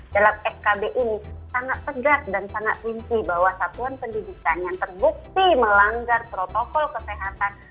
dalam skb ini sangat tegak dan sangat rinci bahwa satuan pendidikan yang terbukti melanggar protokol kesehatan